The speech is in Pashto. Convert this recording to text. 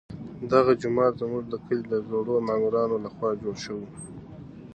دغه جومات زموږ د کلي د زړو معمارانو لخوا جوړ شوی.